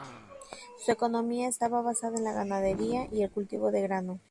Su economía estaba basada en la ganadería y el cultivo de grano.